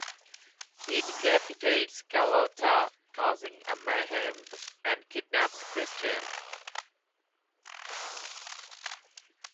He decapitates Carlotta, causing a mayhem, and kidnaps Christine.